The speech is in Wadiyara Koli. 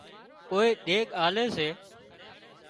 ڪوئي ۮيڳ آلي سي